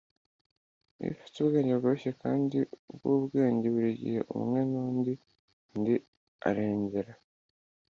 iyo ufite ubwenge bworoshye kandi bwubwenge burigihe umwe kurindi undi arengera;